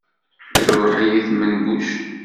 Truḥ-iyi tmenguct.